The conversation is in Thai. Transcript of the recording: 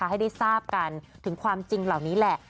ให้ได้ทราบกันถึงความจริงเหล่านี้แหละ